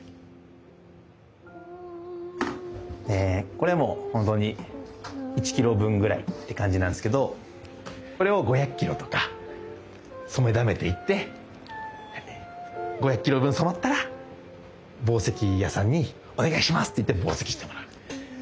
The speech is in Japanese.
これもう本当に１キロ分ぐらいって感じなんですけどこれを５００キロとか染めだめていって５００キロ分染まったら紡績屋さんにお願いしますって言って紡績してもらう。